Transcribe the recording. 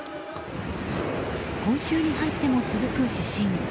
今週に入っても続く地震。